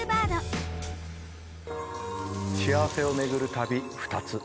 幸せを巡る旅二つ。